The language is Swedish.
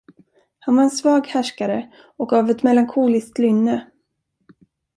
Han var en svag härskare och av ett melankoliskt lynne.